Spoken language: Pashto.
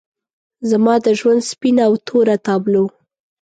زما د ژوند سپینه او توره تابلو